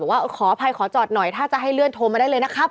ว่าขออภัยขอจอดหน่อยถ้าจะให้เลื่อนโทรมาได้เลยนะครับ